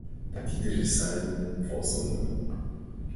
— Да, тидыже сайын возымо.